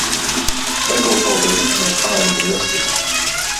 Record holders and their times are listed.